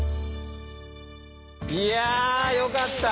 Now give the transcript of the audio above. いやよかった！